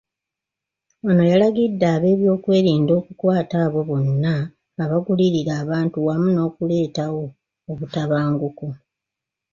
Ono yalagidde ab'ebyokwerinda okukwata abo bonna abagulirira abantu wamu n'okuleetawo obutabanguko.